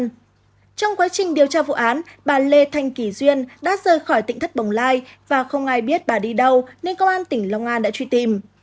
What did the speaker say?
trong quá trình điều tra vụ án bà lê thanh kỳ duyên đã rời khỏi tỉnh thất bồng lai và không ai biết bà đi đâu nên công an tỉnh long an đã truy tìm